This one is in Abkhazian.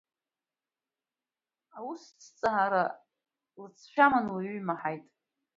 Аусҭҵаара лыҵшәа аманы уаҩы имаҳаит.